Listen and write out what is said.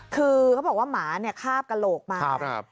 คือเขาบอกว่าหมาเนี่ยคาบกระโหลกมา